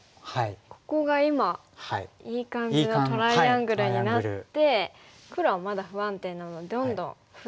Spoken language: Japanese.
ここが今いい感じのトライアングルになって黒はまだ不安定なのでどんどん封鎖していきますか。